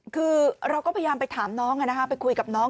คือเราก็พยายามไปถามน้องไปคุยกับน้อง